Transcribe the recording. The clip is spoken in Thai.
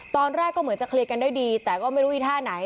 ตอนแรกก็เหมือนจะเคลียร์กันได้ดีแต่ก็ไม่รู้อีท่าไหน